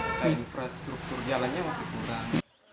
infrastruktur jalannya masih kurang